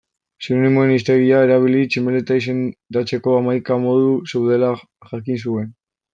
Sinonimoen hiztegia erabiliz tximeleta izendatzeko hamaika modu zeudela jakin zuen.